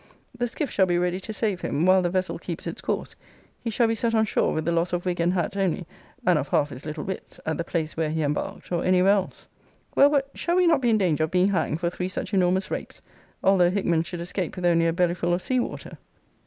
The skiff shall be ready to save him, while the vessel keeps its course: he shall be set on shore with the loss of wig and hat only, and of half his little wits, at the place where he embarked, or any where else. Well, but shall we not be in danger of being hanged for three such enormous rapes, although Hickman should escape with only a bellyful of sea water?